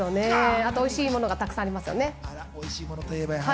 あと、おいしものがたくさんあります。